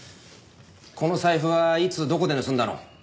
この財布はいつどこで盗んだの？